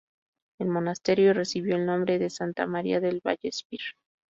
El monasterio recibió el nombre de "Santa María del Vallespir".